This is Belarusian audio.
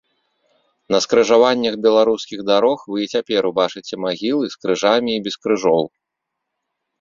На скрыжаваннях беларускіх дарог вы і цяпер убачыце магілы з крыжамі і без крыжоў.